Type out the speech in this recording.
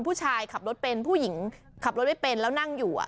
ผู้ชายขับรถเป็นผู้หญิงขับรถไม่เป็นแล้วนั่งอยู่